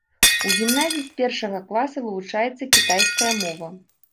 У гімназіі з першага класа вывучаецца кітайская мова.